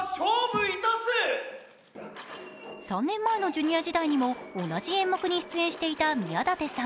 ３年前のＪｒ．時代にも同じ演目に出演していた宮舘さん。